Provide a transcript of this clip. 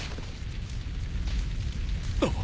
あっ！？